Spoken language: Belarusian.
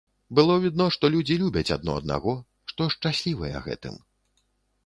Было відно, што людзі любяць адно аднаго, што шчаслівыя гэтым.